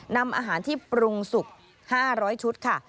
นำอาหารที่ปรุงสุก๕๐๐ชุดค่ะ